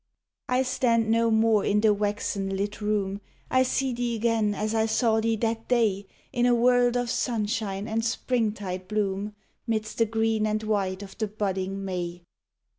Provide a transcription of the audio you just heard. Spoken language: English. I stand no more in the waxen lit room: I see thee again as I saw thee that day, In a world of sunshine and springtide bloom, 'Midst the green and white of the budding May.